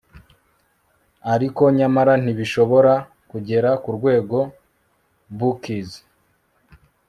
ariko nyamara ntibishobora kugera kurwego bookies